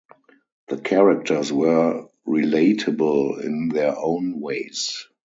The characters were relatable in their own ways.